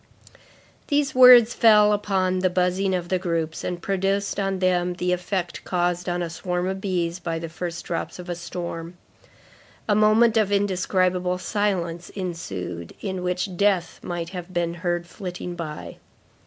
These words fell upon the buzzing of the groups, and produced on them the effect caused on a swarm of bees by the first drops of a storm. A moment of indescribable silence ensued, in which death might have been heard flitting by.